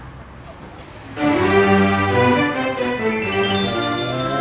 อันนี้ปลาอินซียักษ์นะครับ